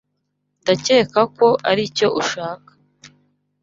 Ndakeka ko aricyo ushaka.